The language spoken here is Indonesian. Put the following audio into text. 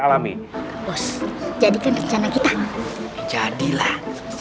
bos jadikan rencana kita jadilah